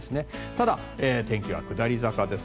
ただ、天気は下り坂です。